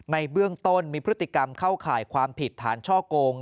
ในเบื้องต้นมีพฤติกรรมเข้าข่ายความผิดฐานช่อโกง